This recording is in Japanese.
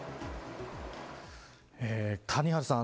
谷原さん